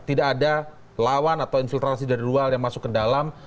tidak ada lawan atau infiltrasi dari luar yang masuk ke dalam